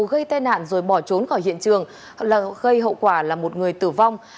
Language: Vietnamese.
gây tai nạn rồi bỏ trốn khỏi hiện trường là gây hậu quả là một người tử vong